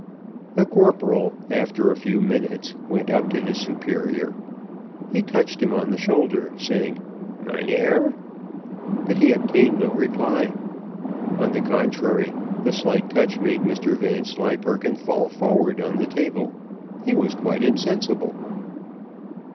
The corporal, after a few minutes, went up to his superior; he touched him on the shoulder, saying, "Mynheer," but he obtained no reply. On the contrary, the slight touch made Mr Vanslyperken fall forward on the table. He was quite insensible.